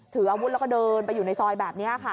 ถืออาวุธแล้วก็เดินไปอยู่ในซอยแบบนี้ค่ะ